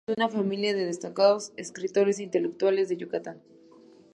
Miembro de una familia de destacados escritores e intelectuales de Yucatán.